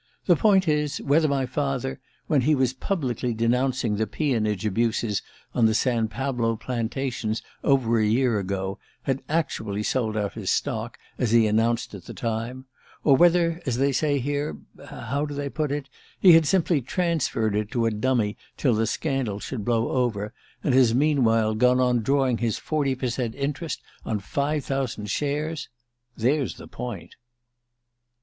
"The point, is, whether my father, when he was publicly denouncing the peonage abuses on the San Pablo plantations over a year ago, had actually sold out his stock, as he announced at the time; or whether, as they say here how do they put it? he had simply transferred it to a dummy till the scandal should blow over, and has meanwhile gone on drawing his forty per cent interest on five thousand shares? There's the point."